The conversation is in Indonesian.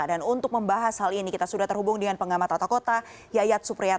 dan untuk membahas hal ini kita sudah terhubung dengan pengamat rata kota yayat supriyat